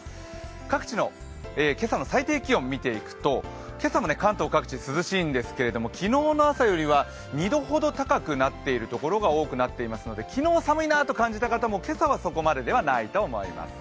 各地の今朝の最低気温を見ていくと今朝も関東各地、涼しいんですけれども、昨日の朝よりは２度ほど高くなっているところが多くなっていますので、昨日、寒いなと感じた方も今朝はそこまでではないと思います。